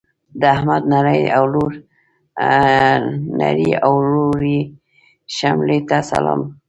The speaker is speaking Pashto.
د احمد نرې او لوړې شملې ته سلام.